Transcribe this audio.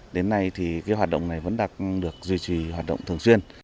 đến nay thì cái hoạt động này vẫn đang được duy trì hoạt động thường xuyên